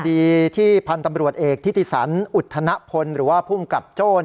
คดีที่พันธุ์ตำรวจเอกทิติสันอุทธนพลหรือว่าภูมิกับโจ้